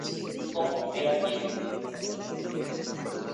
Allí murieron ambos siendo todavía niños.